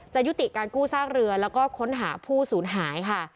ยุติการกู้ซากเรือแล้วก็ค้นหาผู้สูญหายค่ะ